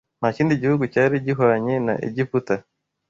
nta kindi gihugu cyari gihwanye na Egiputa